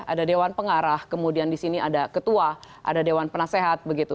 ada dewan pengarah kemudian di sini ada ketua ada dewan penasehat begitu